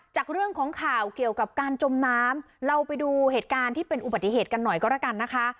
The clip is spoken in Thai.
จากเรื่องของข่าวเกี่ยวกับการจมน้ำเราไปดูเหตุการณ์ที่เป็นอุบัติเหตุกันหน่อยก็แล้วกันนะคะ